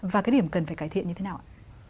và cái điểm cần phải cải thiện như thế nào ạ